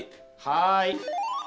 はい。